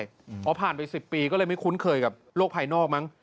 เพราะผ่านไป๑๐ปีก็เลยไม่คุ้นเคยกับโลกภายนอกมั้ง